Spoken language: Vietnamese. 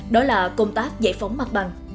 đó là công tác giải phóng mặt bằng